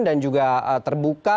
dan juga terbuka